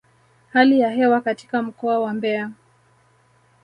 Hali ya hewa katika mkoa wa Mbeya